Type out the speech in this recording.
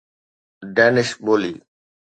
Danish ٻولي